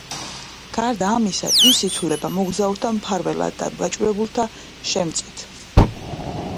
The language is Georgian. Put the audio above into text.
გარდა ამისა, ის ითვლება მოგზაურთა მფარველად და გაჭირვებულთა შემწედ.